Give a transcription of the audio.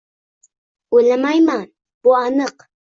-O’ylamayman. Bu aniq.